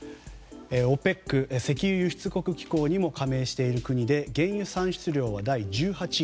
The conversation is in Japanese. ＯＰＥＣ・石油輸出国機構にも加盟している国で原油産出量は第１８位。